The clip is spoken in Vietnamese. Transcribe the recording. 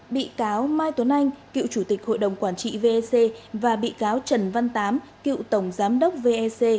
bị cáo mai tuấn anh cựu chủ tịch hội đồng quản trị vec và bị cáo trần văn tám cựu tổng giám đốc vec